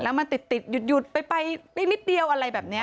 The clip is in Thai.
แล้วมันติดติดหยุดหยุดไปไปนิดเดียวอะไรแบบเนี้ย